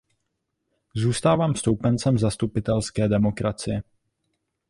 Zůstávám stoupencem zastupitelské demokracie.